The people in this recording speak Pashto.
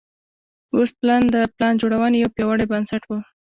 ګوسپلن د پلان جوړونې یو پیاوړی بنسټ و